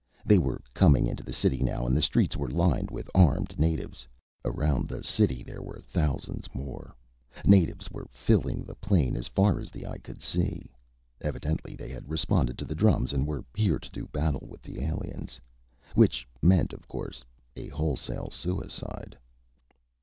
They were coming into the city now and the streets were lined with armed natives. Around the city there were thousands more. Natives were filling the plain, as far as the eye could see. Evidently they had responded to the drums and were here to do battle with the aliens. Which meant, of course, a wholesale suicide.